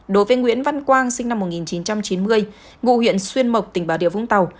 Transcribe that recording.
đối với nguyễn văn quang sinh năm một nghìn chín trăm chín mươi ngụ huyện xuyên mộc tỉnh bà điều vũng tàu